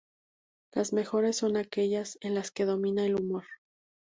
Las mejores son aquellas en las que domina el humor.